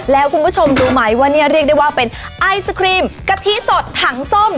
แล้วคุณผู้ชมรู้ไหมว่าเนี่ยเรียกได้ว่าเป็นไอศครีมกะทิสดถังส้ม